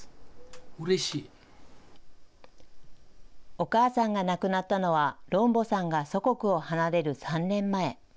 お母さんが亡くなったのは、ロンボさんが祖国を離れる３年前。